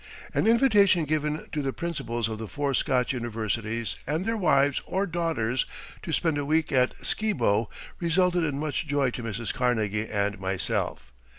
An invitation given to the principals of the four Scotch universities and their wives or daughters to spend a week at Skibo resulted in much joy to Mrs. Carnegie and myself.